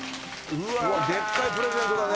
うわでっかいプレゼントだね。